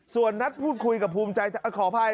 ส่วนนัดพูดคุยกับภูมิใจขออภัย